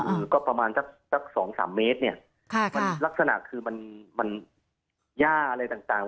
อืมก็ประมาณสักสักสองสามเมตรเนี่ยค่ะมันลักษณะคือมันมันย่าอะไรต่างต่าง